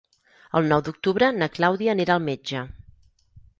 El nou d'octubre na Clàudia anirà al metge.